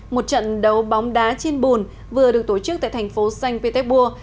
một trận đấu bóng đá trên bùn vừa được tổ chức tại thành phố xanh petersburg